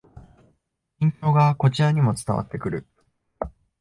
緊張がこちらにも伝わってくる